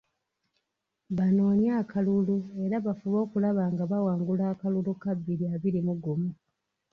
Banoonye akalulu era bafube okulaba nga bawangula akalulu ka bbiri abiri mu gumu.